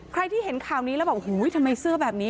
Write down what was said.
ใครที่เห็นข่าวนี้แล้วแบบทำไมเสื้อแบบนี้